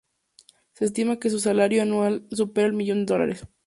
Se estima que su salario anual supera el millón de dólares.